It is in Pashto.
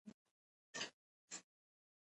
زموږ شاعرانو ژور پیغامونه رسولي دي.